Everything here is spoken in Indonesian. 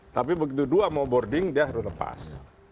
tapi begitu dua mau boarding dia harus lepas